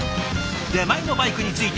出前のバイクについていき